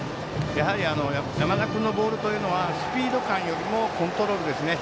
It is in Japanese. やはり山田君のボールというのはスピード感よりもコントロールですね。